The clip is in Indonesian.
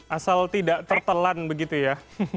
asal tidak tertelan begitu ya